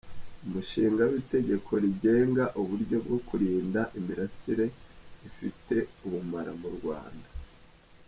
Umushinga w’Itegeko rigenga uburyo bwo kurinda imirasire ifite ubumara mu Rwanda.